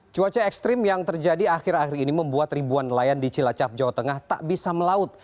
cuaca ekstrim yang terjadi akhir akhir ini membuat ribuan nelayan di cilacap jawa tengah tak bisa melaut